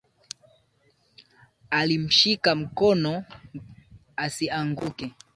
Alimshika mkononi asianguke